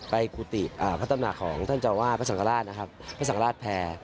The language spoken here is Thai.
ไปผู้ติดพระตำนักของท่านเจ้าว่าพระสังฆราชพระสังฆราชแผ่